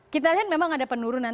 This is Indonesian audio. kita lihat memang ada penurunan